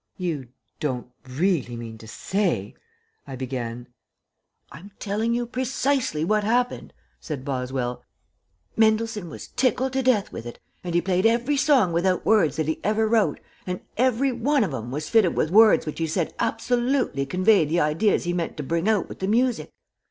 "You don't really mean to say " I began. "I'm telling you precisely what happened," said Boswell. "Mendelssohn was tickled to death with it, and he played every song without words that he ever wrote, and every one of 'em was fitted with words which he said absolutely conveyed the ideas he meant to bring out with the music.